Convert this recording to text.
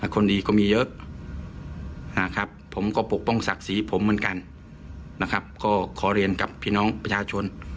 คนดีก็มีเยอะนะครับผมก็ปกป้องศักดิ์ศรีผมเหมือนกันนะครับก็ขอเรียนกับพี่น้องประชาชน